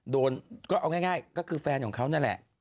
โดนก็เอาง่ายก็คือแฟนของเขานั่นแหละ